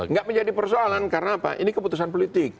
nggak menjadi persoalan karena apa ini keputusan politik